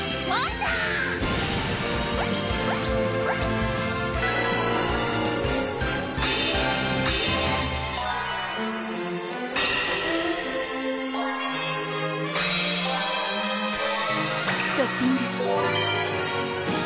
トッピング！